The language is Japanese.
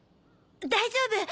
大丈夫！